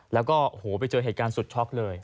แล้วก็โอ้โหไปเจอเหตุการณ์สุดช็อกเลย